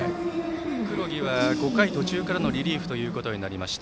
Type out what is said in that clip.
黒木は５回途中からのリリーフということになりました。